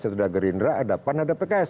itu dager indra ada pan ada pks